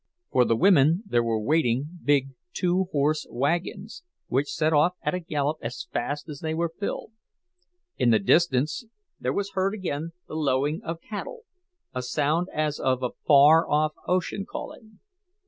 For the women there were waiting big two horse wagons, which set off at a gallop as fast as they were filled. In the distance there was heard again the lowing of the cattle, a sound as of a far off ocean calling.